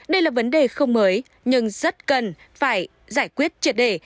đây là vấn đề không mới nhưng rất cần phải giải quyết triệt đề